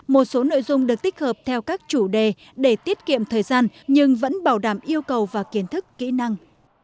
một số nội dung được tích hợp theo các chủ đề để tiết kiệm thời gian nhưng vẫn bảo đảm yêu cầu và kiến thức kỹ năng